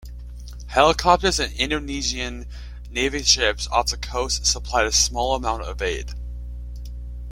Helicopters and Indonesian navy ships off the coast supplied a small amount of aid.